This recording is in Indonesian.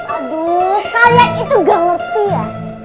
aduh saya itu gak ngerti ya